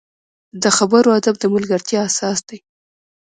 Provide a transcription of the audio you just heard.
د خبرو ادب د ملګرتیا اساس دی